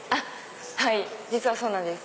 はい実はそうなんです。